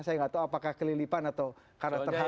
saya tidak tahu apakah kelilipan atau karena terharu